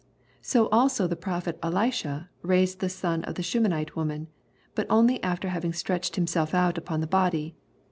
So also the prophet Elisha raised the son of the Shunammite woman, but only after having stretched himself out upon his body.